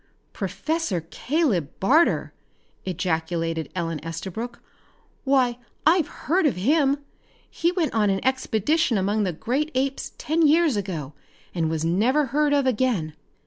"Professor Caleb Barter!" ejaculated Ellen Estabrook. "Why I've heard of him! He went on an expedition among the great apes ten years ago and was never heard of again."